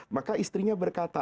maka istrinya berkata